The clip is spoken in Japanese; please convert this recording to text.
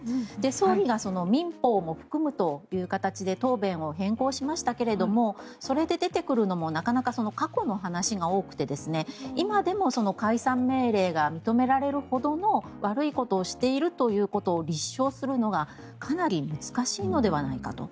総理が民法も含むという形で答弁を変更しましたけれどもそれで出てくるのもなかなか過去の話が多くて今でも解散命令が認められるほどの悪いことをしているということを立証するのがかなり難しいのではないかと。